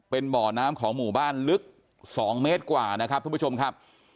เป็นบ่อน้ำของหมู่บ้านลึก๒เมตรกว่านะครับทุกผู้ชมครับ